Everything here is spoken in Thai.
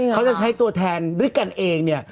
เขาจะใช้ตัวแทนด้วยกันเองเนี่ย